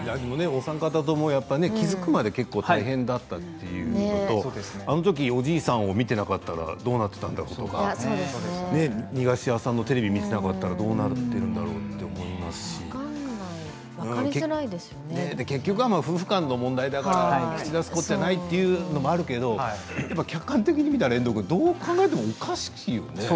お三方とも気付くまで大変だったということで、あの時おじいさんを見ていなかったらどうなっていたんだろうとか逃がし屋さんのテレビを見ていなかったらどうなったんだろうと思ったし結局は夫婦間の問題だから口を出すことはないというのもあるけれど客観的に見たらどう考えても、おかしいよね。